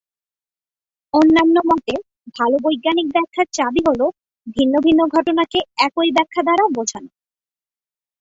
অন্যান্য মতে, ভাল বৈজ্ঞানিক ব্যাখ্যার চাবি হল ভিন্ন ভিন্ন ঘটনাকে একই ব্যাখ্যা দ্বারা বোঝানো।